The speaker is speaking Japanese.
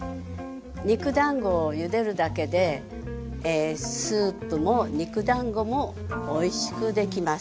肉だんごをゆでるだけでスープも肉だんごもおいしくできます。